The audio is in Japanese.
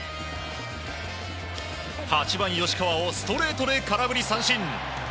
８番、吉川をストレートで空振り三振。